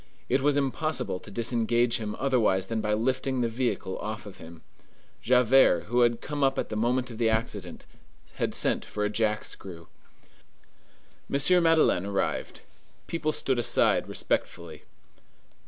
It was impossible to disengage him otherwise than by lifting the vehicle off of him. Javert, who had come up at the moment of the accident, had sent for a jack screw. M. Madeleine arrived. People stood aside respectfully.